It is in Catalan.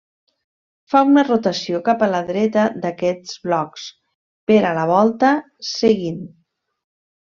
Fa una rotació cap a la dreta d'aquests blocs per a la volta seguint.